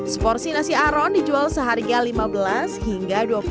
seporsi nasi aron dijual seharga rp lima belas hingga rp dua puluh lima tergantung lauknya